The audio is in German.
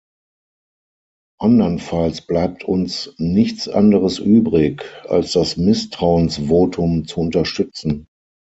Andernfalls bleibt uns nichts anderes übrig, als das Misstrauensvotum zu unterstützen.